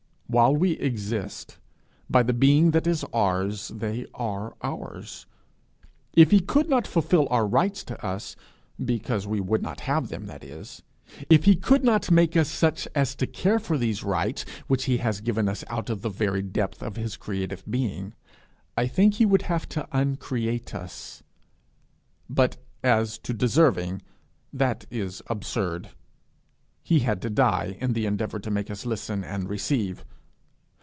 While we exist, by the being that is ours, they are ours. If he could not fulfil our rights to us because we would not have them, that is if he could not make us such as to care for these rights which he has given us out of the very depth of his creative being, I think he would have to uncreate us. But as to deserving, that is absurd: he had to die in the endeavour to make us listen and receive.